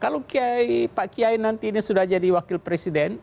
kalau pak kiai nanti ini sudah jadi wakil presiden